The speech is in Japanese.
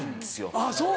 あっそう。